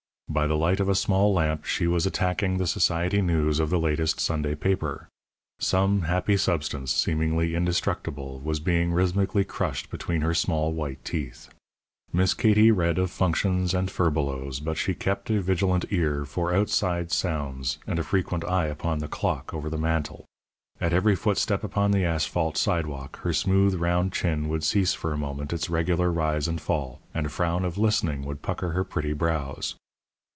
By the light of a small lamp she was attacking the society news of the latest Sunday paper. Some happy substance, seemingly indestructible, was being rhythmically crushed between her small white teeth. Miss Katie read of functions and furbelows, but she kept a vigilant ear for outside sounds and a frequent eye upon the clock over the mantel. At every footstep upon the asphalt sidewalk her smooth, round chin would cease for a moment its regular rise and fall, and a frown of listening would pucker her pretty brows.